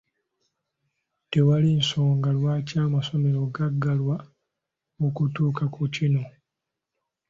Tewali nsonga lwaki amasomero gaggalwa okutuuka ku kino.